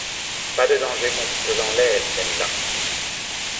Pas de danger qu'on te l'enlève, celle-là!